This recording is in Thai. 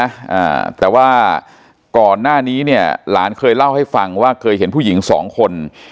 อ่าแต่ว่าก่อนหน้านี้เนี่ยหลานเคยเล่าให้ฟังว่าเคยเห็นผู้หญิงสองคน